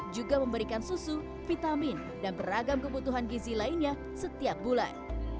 juga memberikan susu vitamin dan beragam kebutuhan gizi lainnya setiap bulan